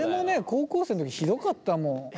高校生の時ひどかったもん。